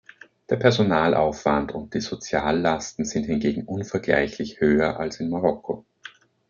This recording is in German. Der Personalaufwand und die Soziallasten sind hingegen unvergleichlich höher als in Marokko.